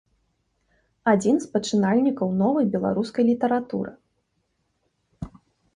Адзін з пачынальнікаў новай беларускай літаратуры.